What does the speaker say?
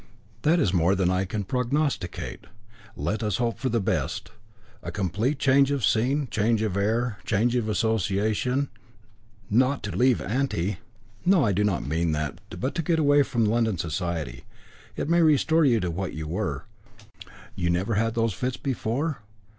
"That is more than I can prognosticate; let us hope for the best. A complete change of scene, change of air, change of association " "Not to leave auntie!" "No. I do not mean that, but to get away from London society. It may restore you to what you were. You never had those fits before?"